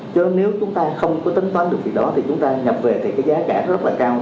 chứ nếu chúng ta không có tính toán được việc đó thì chúng ta nhập về thì cái giá cả rất là cao